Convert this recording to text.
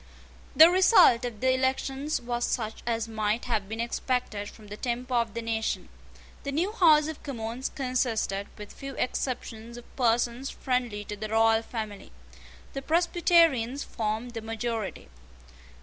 The result of the elections was such as might have been expected from the temper of the nation. The new House of Commons consisted, with few exceptions, of persons friendly to the royal family. The Presbyterians formed the majority.